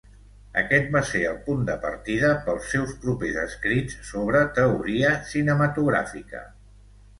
Aquest va ser el punt de partida pels seus propers escrits sobre teoria cinematogràfica.